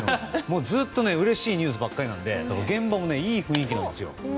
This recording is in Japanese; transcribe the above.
ずっとうれしいニュースばかりで現場もいい雰囲気なんです。